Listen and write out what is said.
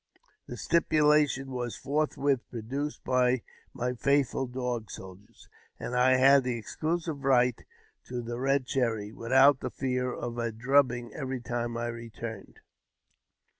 The stipulation was forthwith produced by my faithful Dog Soldiers, and I had the exclusive right to the Eed Cherry, without the fear of a drubbing every time I returned.